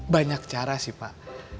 banyak cara sih pak